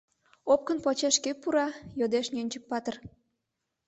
— Опкын почеш кӧ пура? — йодеш Нӧнчык-патыр.